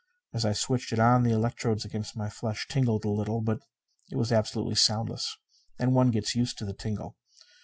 As I switched it on, the electrodes against my flesh tingled a little. But it was absolutely soundless, and one gets used to the tingle.